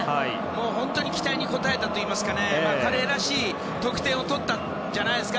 本当に期待に応えたといいますか彼らしい得点を取ったんじゃないですか。